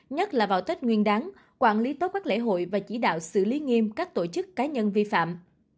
nhất là vào tết nguyên đáng quản lý tốt các lễ hội và chỉ đạo xử lý nghiêm các tổ chức cá nhân vi phạm